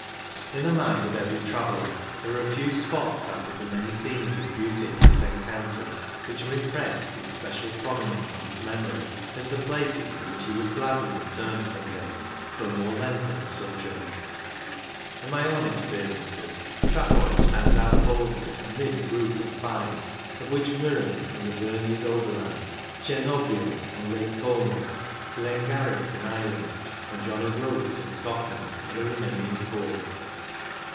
In the mind of every traveller there are a few spots, out of the many scenes of beauty he has encountered, which are impressed with special prominence on his memory as the places to which he would gladly return some day for a more lengthened sojourn. In my own experiences, Trafoi stands out boldly amid a group of five, of which Murren, in the Bernese Oberland, Cernobbio, on Lake Como, Glengarriff, in Ireland, and John o' Groats, in Scotland, are the remaining four.